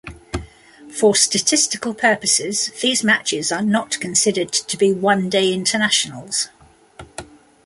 For statistical purposes, these matches are not considered to be One Day Internationals.